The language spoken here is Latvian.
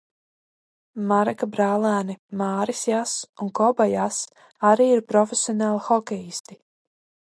Mareka brālēni Māris Jass un Koba Jass arī ir profesionāli hokejisti.